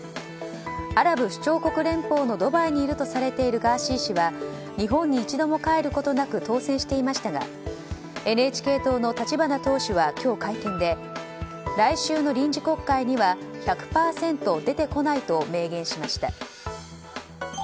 アラブ首長国連邦のドバイにいるとされるガーシー氏は日本に一度も帰ることなく当選していましたがＮＨＫ党の立花党首は今日、会見で来週の臨時国会には１００％出てこないと明言しました。